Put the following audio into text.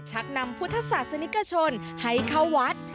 ชักนำพุทธศาสนิกชนให้เข้าวัด